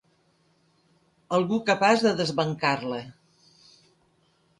Algú capaç de desbancar-la.